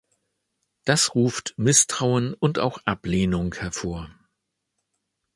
Das ruft Misstrauen und auch Ablehnung hervor.